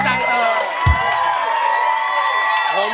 ไม่ใช้